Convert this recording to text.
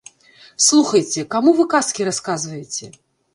Слухайце, каму вы казкі расказваеце?